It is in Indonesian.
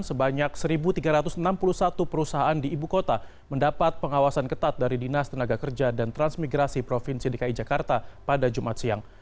sebanyak satu tiga ratus enam puluh satu perusahaan di ibu kota mendapat pengawasan ketat dari dinas tenaga kerja dan transmigrasi provinsi dki jakarta pada jumat siang